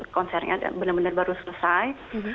konsernya benar benar baru selesai